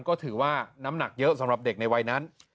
ก็ถือว่าน้ำหนักเยอะสำหรับเด็กในวัยนั้น